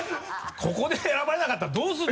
ここで選ばれなかったらどうするんだ！